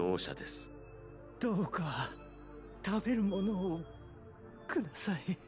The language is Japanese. どうか食べる物をください。